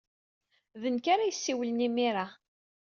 D nekk ara yessiwlen imir-a.